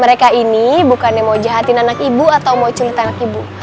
mereka ini bukannya mau jahatin anak ibu atau mau cerita anak ibu